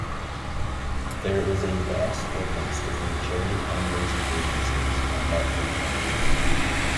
There is a vast difference between charity fundraising agencies and marketing companies.